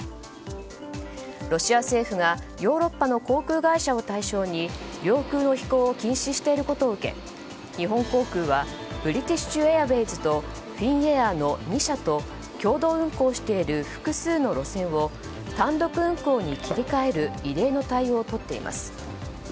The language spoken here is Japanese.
ロシア政府がヨーロッパの航空会社を対象に領空の飛行を禁止していることを受け日本航空はブリティッシュ・エアウェイズとフィンエアーの２社と共同運航している複数の路線を単独運航に切り替える異例の対応をとっています。